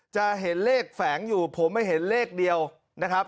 จะเห็นเลขแฝงอยู่ผมไม่เห็นเลขเดียวนะครับ